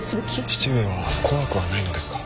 父上は怖くはないのですか。